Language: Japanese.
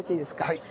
はい。